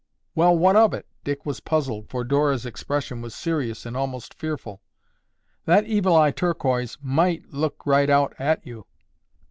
"Well, what of it!" Dick was puzzled, for Dora's expression was serious and almost fearful. "That Evil Eye Turquoise might look right out at you!"